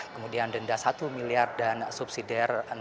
kemudian denda satu miliar dan subsidi enam bulan kurungan